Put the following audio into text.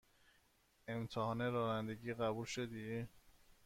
امتحان رانندگی قبول شدی؟